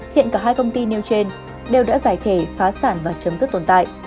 hiện cả hai công ty nêu trên đều đã giải thể phá sản và chấm dứt tồn tại